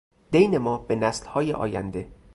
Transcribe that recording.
دین ما به نسلهای آینده